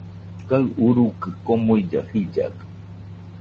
Kaɨ urukɨ komuilla jillakɨ